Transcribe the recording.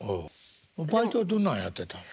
バイトはどんなんやってたんですか？